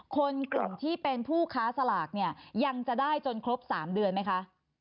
คนกลุ่มที่เป็นผู้ค้าสลากเนี่ยยังจะได้จนครบ๓เดือนไหมคะ